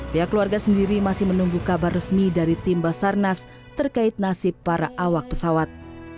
pihak keluarga sendiri masih menunggu kabar resmi dari tim basarnas terkait nasib para awak pesawat